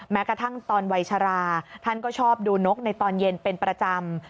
แม้กระทั่งตอนวัยชราท่านก็ชอบดูนกในตอนเย็นเป็นประจำ